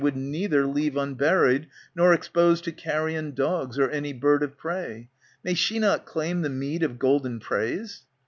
Would neither leave unburied, nor expose To carrion dogs, or any bird of prey. May she not claim the meed of golden praise